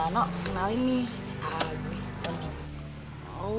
nak kenalin nih gue mondi